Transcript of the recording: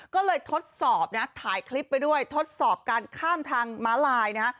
ก็เลยทดสอบนะถ่ายคลิปไปด้วยทดสอบการข้ามทางม้าลายนะฮะ